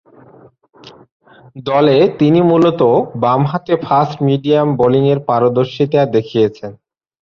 দলে তিনি মূলতঃ বামহাতে ফাস্ট-মিডিয়াম বোলিংয়ে পারদর্শিতা দেখিয়েছেন।